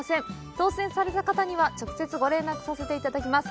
当せんされた方には直接ご連絡させていただきます。